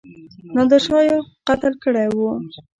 نادرشاه یو قتل کړی وو.